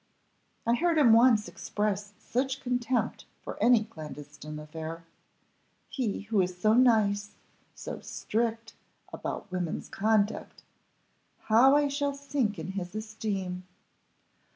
I heard him once express such contempt for any clandestine affair. He, who is so nice, so strict, about women's conduct, how I shall sink in his esteem!